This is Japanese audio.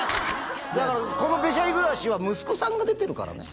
だからこの「べしゃり暮らし」は息子さんが出てるからね